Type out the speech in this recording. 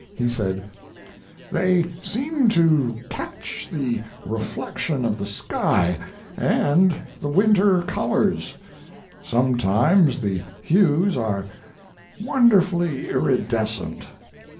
He said: "They seem to catch the reflection of the sky and the winter colors. Sometimes the hues are wonderfully iridescent."